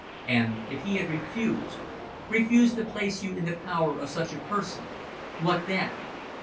"And if he had refused refused to place you in the power of such a person what then?"